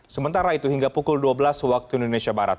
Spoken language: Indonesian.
sementara itu hingga pukul dua belas waktu indonesia barat